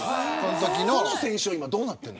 その選手は今どうなってるの。